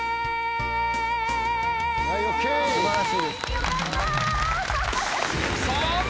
よかった！